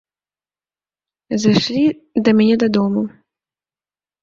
Зайшлі да мяне дадому.